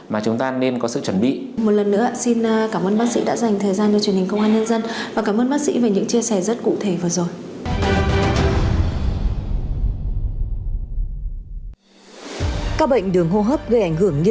mà chúng ta nên có sự chuẩn bị